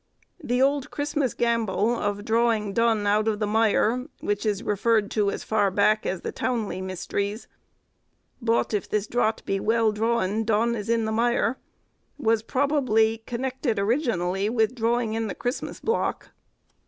The old Christmas gambol of drawing Dun out of the mire—which is referred to as far back as the 'Towneley Mysteries,' "Bot if this draght be welle drawen Don is in the myre,"—was probably connected originally with drawing in the Christmas block.